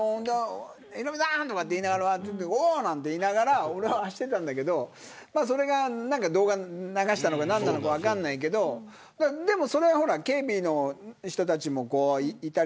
ヒロミさんとか言いながらおう、なんて言いながら走ってたんだけど動画流したのか何なのか分かんないけどそれは警備の人たちもいたりとか。